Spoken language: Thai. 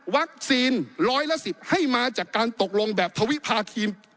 ร้อยละ๑๐ให้มาจากการตกลงแบบทวิภาคี